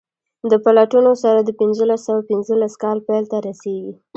د پلټنو سر د پنځلس سوه پنځلس کال پیل ته رسیږي.